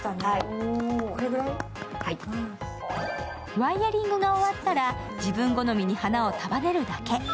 ワイヤリングが終わったら自分好みに花を束ねるだけ。